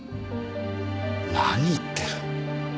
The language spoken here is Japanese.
何言ってる。